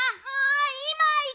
いまいく。